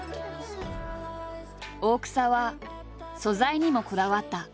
大草は素材にもこだわった。